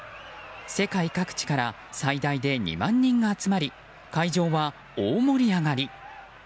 世界各地から最大で２万人が集まり会場は大盛り上がり。